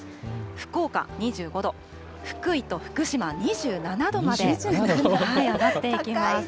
福岡２５度、福井と福島、２７度まで上がっていきます。